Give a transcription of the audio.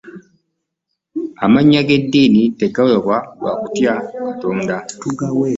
Amannya ag'eddiini tugaweebwa lwa kutya Katonda.